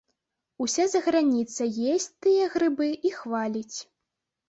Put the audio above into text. Уся заграніца есць тыя грыбы і хваліць.